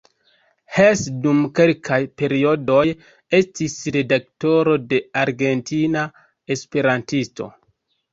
Hess dum kelkaj periodoj estis redaktoro de "Argentina esperantisto.